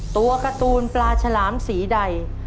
ตัวการ์ตูนปลาฉลามสีใด